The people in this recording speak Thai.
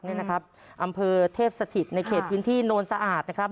นี่นะครับอำเภอเทพสถิตในเขตพื้นที่โน้นสะอาดนะครับ